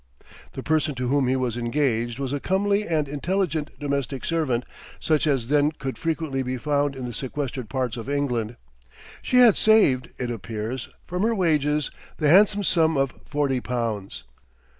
The person to whom he was engaged was a comely and intelligent domestic servant such as then could frequently be found in the sequestered parts of England. She had saved, it appears, from her wages the handsome sum of forty pounds.